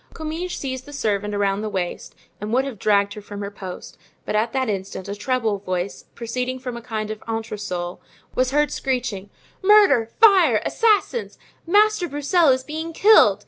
Comminges seized the servant around the waist and would have dragged her from her post; but at that instant a treble voice, proceeding from a kind of entresol, was heard screeching: "Murder! fire! assassins! Master Broussel is being killed!